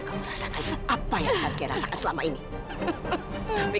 aku disuruh meninggalkan dewi